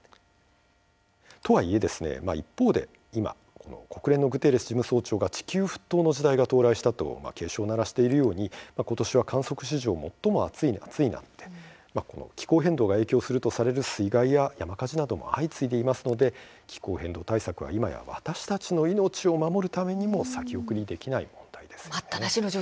とはいえ一方で国連のグテーレス事務総長が今や地球沸騰の時代が到来したと警鐘を鳴らしているように今年は観測史上最も暑い夏になり気候変動が影響したとされる水害や山火事も相次いでいますので気候変動対策はもはや私たちの命を守るためにも先送りできない問題です。